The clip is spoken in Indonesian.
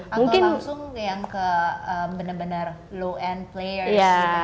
atau langsung yang ke bener bener low end players gitu ya